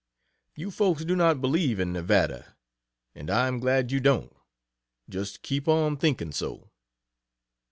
You folks do not believe in Nevada, and I am glad you don't. Just keep on thinking so.